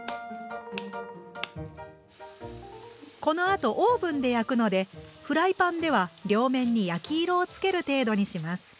このあとオーブンで焼くのでフライパンでは両面に焼き色をつける程度にします。